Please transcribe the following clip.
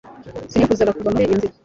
sinifuzaga kuva muri iyo nzira